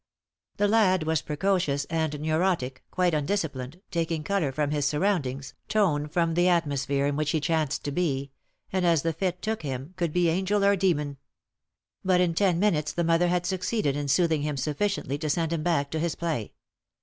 The lad was precocious and neurotic, quite undisciplined, taking colour from his surroundings, tone from the atmosphere in which he chanced to be; and as the fit took him, could be angel or demon. But in ten minutes the mother had succeeded in soothing him sufficiently to send him back to his play.